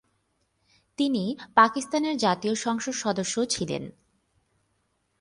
তিনি পাকিস্তানের জাতীয় সংসদ সদস্যও ছিলেন।